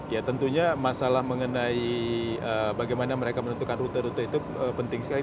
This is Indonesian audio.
ya tentunya masalah mengenai bagaimana mereka menentukan rute rute itu penting sekali